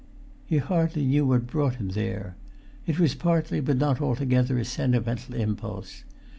He hardly knew what brought him there. It was partly, but not altogether, a sentimental impulse.